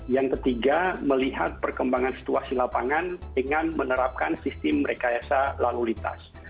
yang ketiga melihat perkembangan situasi lapangan dengan menerapkan sistem rekayasa lalu lintas